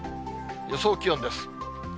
予想気温です。